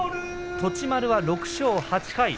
栃丸、６勝８敗。